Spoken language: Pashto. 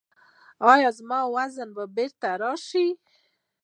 ایا زما وزن به بیرته راشي؟